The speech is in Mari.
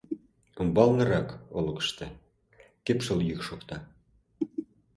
Умбалнырак, олыкышто, кепшыл йӱк шокта.